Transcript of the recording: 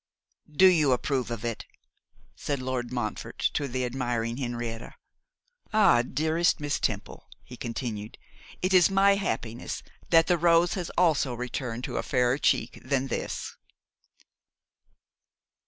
'Do you approve of it?' said Lord Montfort to the admiring Henrietta. 'Ah, dearest Miss Temple,' he continued, 'it is my happiness that the rose has also returned to a fairer cheek than this.